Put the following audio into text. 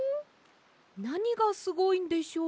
なにがすごいんでしょう？